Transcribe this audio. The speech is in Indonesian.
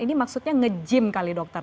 ini maksudnya nge gym kali dokter